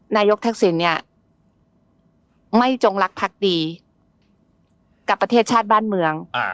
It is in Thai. นายกทักษิณเนี่ยไม่จงรักพักดีกับประเทศชาติบ้านเมือง